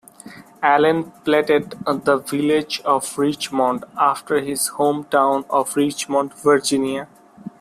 Allen platted the village of "Richmond", after his home town of Richmond, Virginia.